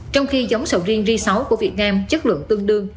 trong khi giống sầu riêng g sáu của việt nam chất lượng tương đương